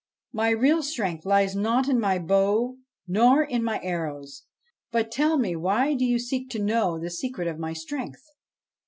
' My real strength lies not in my bow, nor in my arrows. But, tell me, why do you seek to know the secret of my strength